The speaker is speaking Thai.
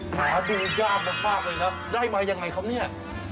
หาดูกล้ามมาภาพเลยครับได้มาอย่างไรครับเนี่ย